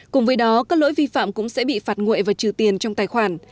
cùng với đó các lỗi vi phạm cũng sẽ bị phạt nguội và trừ tiền trong tài khoản